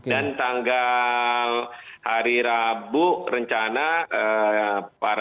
dan tanggal hari rabu rencana para